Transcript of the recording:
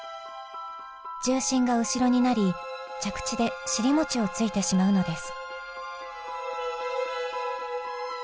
重心が後ろになり着地で尻餅をついてしまうのです。